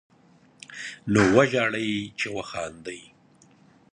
نو وژاړئ، چې وخاندئ